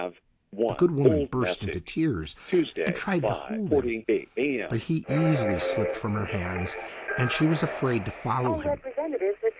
The good woman burst into tears and tried to hold him, but he easily slipped from her hands, and she was afraid to follow him.